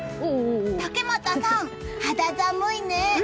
竹俣さん、肌寒いね！